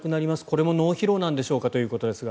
これも脳疲労なんでしょうか？